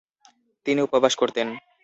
তিনি উপবাস করতেন।